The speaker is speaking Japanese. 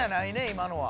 今のは。